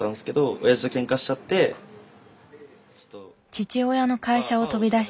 父親の会社を飛び出し